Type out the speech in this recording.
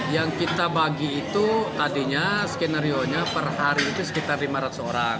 yang kita bagi itu tadinya skenario per hari itu sekitar rp lima ratus